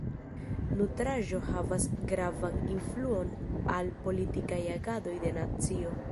Nutraĵoj havas gravan influon al politikaj agadoj de nacio.